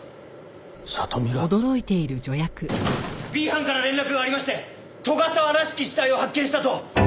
Ｂ班から連絡がありまして斗ヶ沢らしき死体を発見したと。